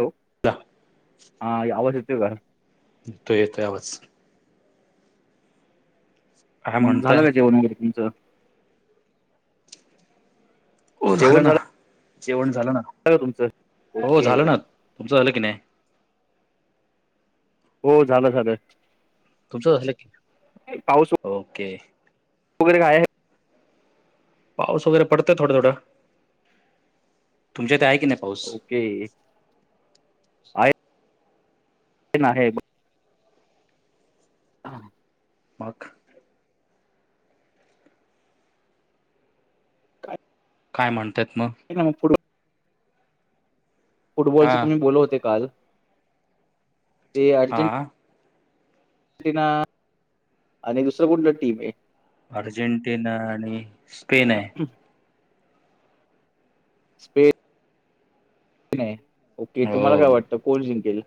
Hello ला हा आवाज येतोय का? त येतो आहे आवाज काय मग झालं म्हणताय काय जेवण वगर तुमचं? हो झालं ना जेवण झालं ना का तुमचं हो ओके झालं ना तुमचं झालं की नाही. हो झालं झालं तुमचं झालं क पाऊस ओके. वगैरे काय आहे. पाऊस वगैरे पडतय थोडं थोडं तुमच्या ते आहे की नाही पाऊस? ते ना आहे [inaudible] हां मग काय म्हणतायत मग? पु [inaudible] फुटबॉलच हा तुम्ही बोल होते काल ते अच्यु- हा टि आणि दुसरं कोणत टीम. अर्जेंटिना आणि स्पेन आहे. ठीक स्पेन ओके तुम्हाला काय हो वाटतं कोल्ड जिंकेल ल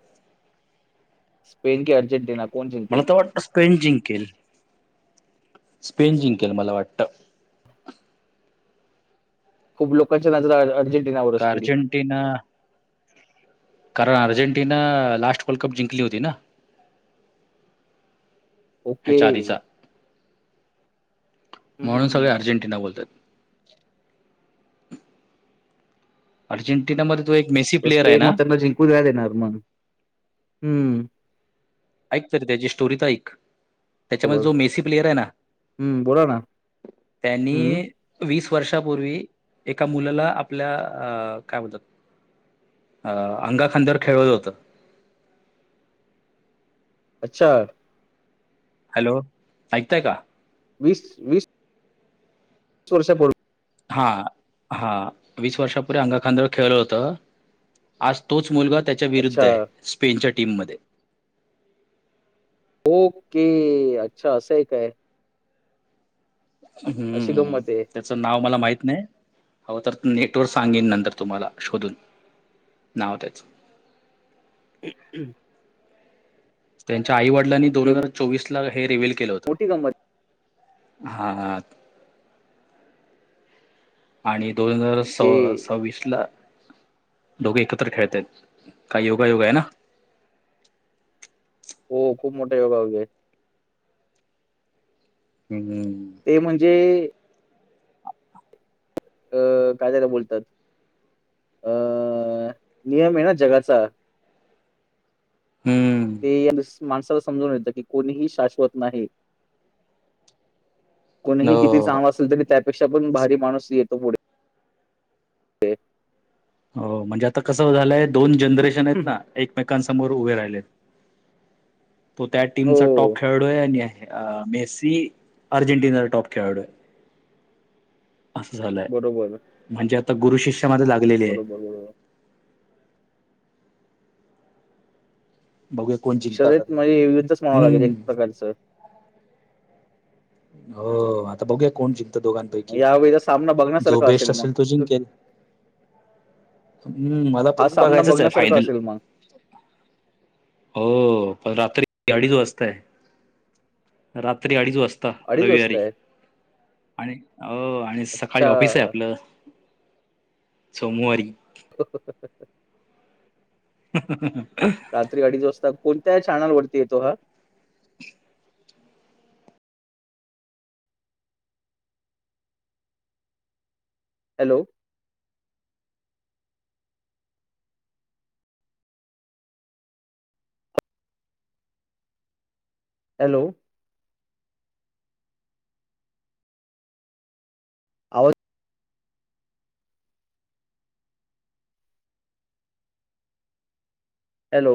स्पेन की अर्जेंटिना. कोण मला जिंकेल तर वाटतं स्पेंन जिंकेल. स्पेन जिंकेल मला वाटतं. खूप लोकांच्या नजरं- अर्जेंटीना. कारण अर्जेंटिना लास्ट वर्ल्ड कप जिंकली होती ना ओके ह्याच्या आधीचा हम्म, म्हणून सगळे हम्म. अर्जंटिना बोलतात अर्जेंटिनामध्ये तो एक मेी प्लेअर आहे ना उद्या देणार मग हम्म ऐक तरी त्याची स्टोरी तरा एकक त्याच्यामध्ये बरोबर जो मेसी प्लेयर आहे ना हम्म बोला ना हम्म त्यांनी वीस वर्षापूर्वी एका मुलाला आपल्या अ काय म्हतात अ अंगाखांद्यावर खेळवलं होतं अच्छा हॅलो ऐकताय का वीस वीस सुष हा हा वीस वर्षापूर्े अंगा खांदळ खेळलं होतं आज तोच मुलगा त्याच्या विरुद्ध अच्छा. आहे स्पेनच्या टीममध्येध्ये ओके अच्छा असंय काय. अशी हम्म गंमत आहे. ते नाव मला माहीत नाही हव तर नेटवर सांगेन नंतर तुम्हाला शोधून. नाव त्याचं हम् त्यांच्या आई वडिलांनी दोन ओके. मो- हजार चोवीस ला हे रिव्हील केलं होते. मोठी गंपत हा आणि दोन हजार स ओके. सव्वीस ला दोघे एकत्र खेळत आहेत काही योगायोगा आहे ना हो खूप मोठ्या योगा होगे हम्मम ते म्हणजे अ काय त्याला बोलतात अ नियम आहे ना जगाचा हम्म ते माणसाला समजून येतं की कोणीही शाश्वत नाही कोणीही किती हो चांम असेल तरी त्यापेक्षा पण भारी माणूस येतो पुढे हो म्हणजे आता कसं झालंय दोन जनरेशन आहेत ना एक एकमेकांसमोर उभे राहिले तो त्या टीमचा टॉप हो. खेळाडू आहे आणि अ मेसी अर्जेंटिना टॉप खेळाडूय असं झालंय बरोबर, म्हणजे आता गुरु शिष्यामध्ये लाग बरोबर बरोबर बघया कोण जिंकात ते हम्म सर हो आता बघूया कोण जिंकत दोघांना पैकी यावेळेचा सामना जो बघण्यासारखा बेस्ट असेल तो मग. जिंकेल हम्म मला हा पण सामना बघायचंच आहे बघण्यासारखा फायनल असेल मग. हो पण रात्री गाडीच वाजताय रात्री अडीच वाजता अडीच वाजता रविवारी आहे. आणि अ आणि सकाळी ऑफिस आहे अच्छा. आपलं सोमवारी [inaudible] ह रात्री अडीच वाजता कोणत्या छॅनालवररती येतो हा हॅलो हॅलो आव हॅलो